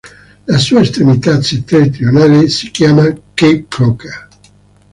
La sua estremità settentrionale si chiama Cape Croker.